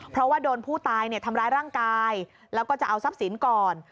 เพราะว่าโดนผู้ตายทำร้ายร่างกายแล้วก็จะเอาทรัพย์สินก่อน